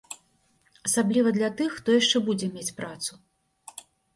Асабліва для тых, хто яшчэ будзе мець працу.